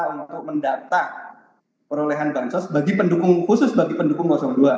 untuk mendata perolehan bansos bagi pendukung khusus bagi pendukung dua